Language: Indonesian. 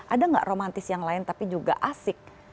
ada nggak romantis yang lain tapi juga asik